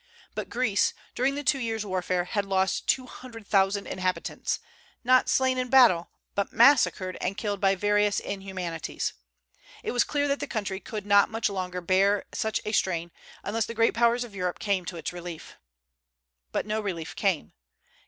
But Greece, during the two years' warfare, had lost two hundred thousand inhabitants, not slain in battle, but massacred, and killed by various inhumanities. It was clear that the country could not much longer bear such a strain, unless the great Powers of Europe came to its relief. But no relief came.